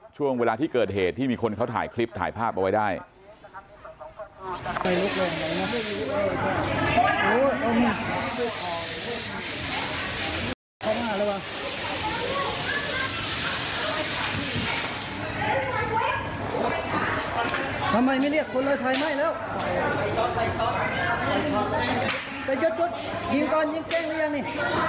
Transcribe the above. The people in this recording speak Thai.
ช่วงเวลาที่เกิดเหตุที่มีคนเขาถ่ายคลิปถ่ายภาพเอาไว้ได้